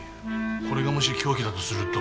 これがもし凶器だとすると。